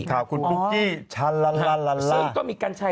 ก็มีกัญชัย